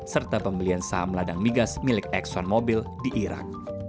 serta pembelian saham ladang migas milik ex one mobil di irak